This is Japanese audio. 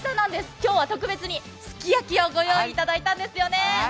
今日は特別にすき焼きを御用意いただいたんですよね。